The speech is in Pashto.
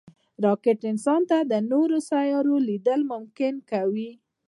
راکټ انسان ته د نورو سیارو لید ممکن کوي